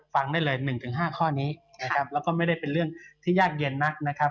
ฟังได้เลย๑๕ข้อนี้แล้วก็ไม่ได้เป็นเรื่องที่ยากเย็นนัก